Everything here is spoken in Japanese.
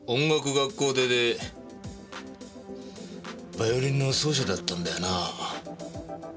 学校出でバイオリンの奏者だったんだよな？